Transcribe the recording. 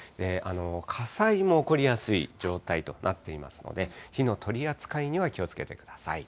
火災も起こりやすい状態となっていますので、火の取り扱いには気をつけてください。